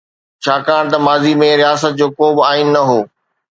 ڇاڪاڻ ته ماضي ۾ رياست جو ڪوبه آئين نه هو.